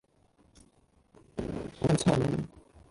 獨酌無相親。